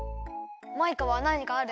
マイカは何かある？